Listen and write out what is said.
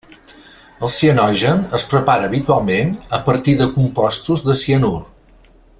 El cianogen es prepara habitualment a partir de compostos de cianur.